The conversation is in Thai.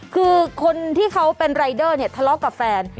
คือคนที่เขาเป็นรายเดอร์เนี่ยทะเลาะกับแฟน